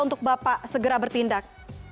untuk bapak segera bertindak